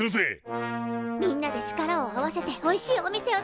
みんなで力を合わせておいしいお店を作る。